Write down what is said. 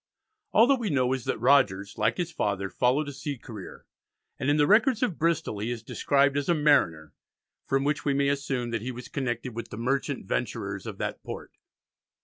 All that we know is that Rogers, like his father, followed a sea career, and in the records of Bristol he is described as a "mariner," from which we may assume that he was connected with the Merchant Venturers of that Port.